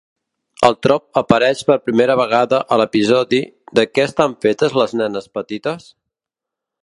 El trop apareix per primera vegada a l'episodi "De què estan fetes les nenes petites?"